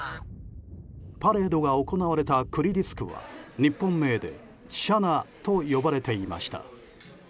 パレードが行われたクリリスクは日本名で紗那と呼ばれていました。